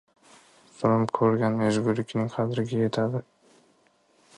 • Zulm ko‘rgan ezgulikning qadriga yetadi.